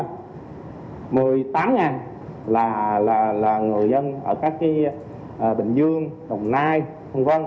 chủ yếu là ở còn lại là khoảng một mươi tám là người dân ở các cái bình dương đồng nai hùng vân